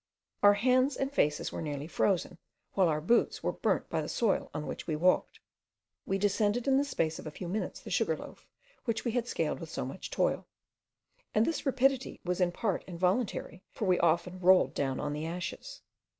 Our hands and faces were nearly frozen, while our boots were burnt by the soil on which we walked. We descended in the space of a few minutes the Sugar loaf which we had scaled with so much toil; and this rapidity was in part involuntary, for we often rolled down on the ashes.